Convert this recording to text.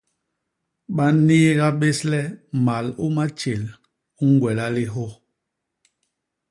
Ba nniiga bés le mal u matjél u ñgwela lihyô.